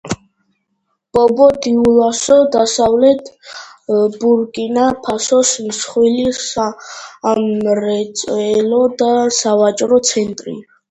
ბობო-დიულასო დასავლეთ ბურკინა-ფასოს მსხვილი სამრეწველო და სავაჭრო ცენტრია.